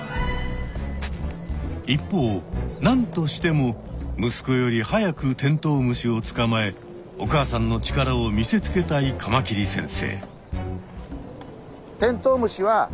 一方なんとしてもむすこより早くテントウムシをつかまえお母さんの力を見せつけたいカマキリ先生。